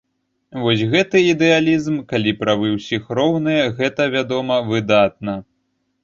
Вось гэты ідэалізм, калі правы ўсіх роўныя, гэта, вядома, выдатна.